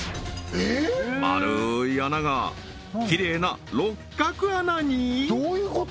丸い穴がきれいな六角穴に？